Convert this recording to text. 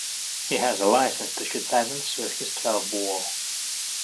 He has a licence to shoot pheasants with his twelve-bore